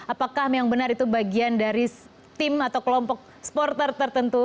apakah yang benar itu bagian dari tim atau kelompok supporter tertentu